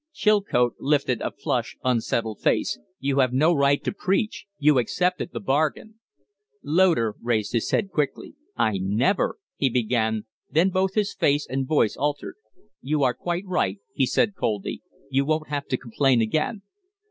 Chilcote lifted a flushed, unsettled face. "You have no right to preach. You accepted the bargain." Loder raised his head quickly. "I never " he began; then both his face and voice altered. "You are quite right," he said, coldly. "You won't have to complain again."